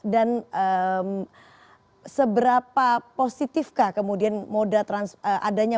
dan seberapa positifkah kemudian moda transportasi